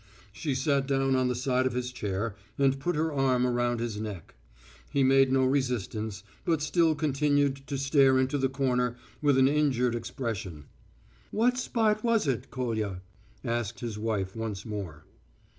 She sat down on the side of his chair and put her arm round his neck. He made no resistance, but still continued to stare into the corner with an injured expression. "What spot was it, Kolya?" asked his wife once more.